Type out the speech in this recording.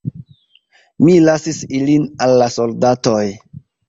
Mi lasis ilin al la soldatoj.